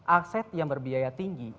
aset yang berbiaya tinggi